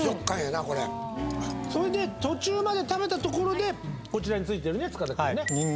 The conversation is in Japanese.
途中まで食べたところでこちらについてる塚田君ね。